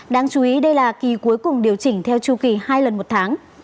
đáng chú ý đây là kỳ cuối cùng điều chỉnh theo chu kỳ hai lần một tháng